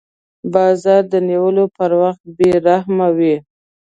باز د نیولو پر وخت بې رحمه وي